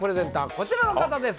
こちらの方です